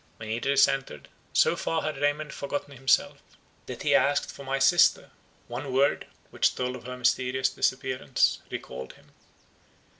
When Idris entered, so far had Raymond forgotten himself, that he asked for my sister; one word, which told of her mysterious disappearance, recalled him.